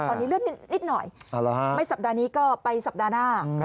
ตอนนี้เลื่อนนิดหน่อยไม่สัปดาห์นี้ก็ไปสัปดาห์หน้า